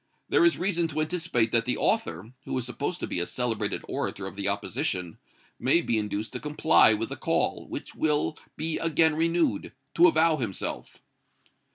There is reason to anticipate that the author, who is supposed to be a celebrated orator of the opposition, may be induced to comply with the call, which will be again renewed, to avow himself."